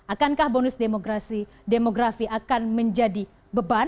akankah bonus demografi akan menjadi beban